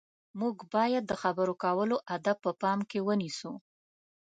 موږ باید د خبرو کولو اداب په پام کې ونیسو.